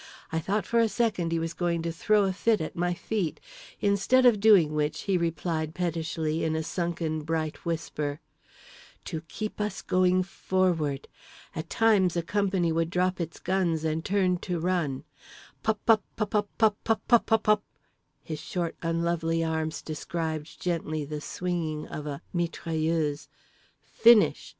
I thought for a second he was going to throw a fit at my feet—instead of doing which he replied pettishly, in a sunken bright whisper: "To keep us going forward. At times a company would drop its guns and turn to run. Pupupupupupupupup …" his short unlovely arms described gently the swinging of a mitrailleuse… "finish.